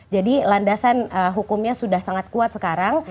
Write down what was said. jadi landasan hukumnya sudah sangat kuat sekarang